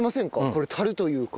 これ樽というか。